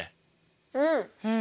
うん。